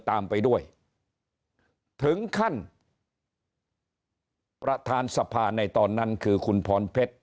ตามไปด้วยถึงขั้นประธานสภาในตอนนั้นคือคุณพรเพชร